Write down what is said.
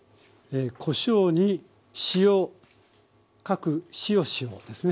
こしょうに塩各しおしおですね。